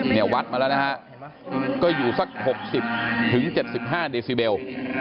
เนี่ยวัดมาแล้วนะฮะก็อยู่สักหกสิบถึงเจ็ดสิบห้าเดซิเบล